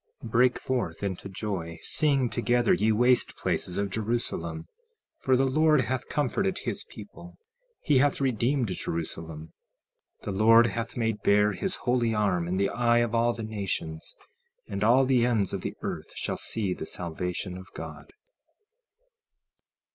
16:19 Break forth into joy, sing together, ye waste places of Jerusalem; for the Lord hath comforted his people, he hath redeemed Jerusalem. 16:20 The Lord hath made bare his holy arm in the eye of all the nations; and all the ends of the earth shall see the salvation of God.